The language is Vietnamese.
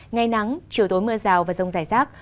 ngày nắng chiều tối mưa rào và rông giải sát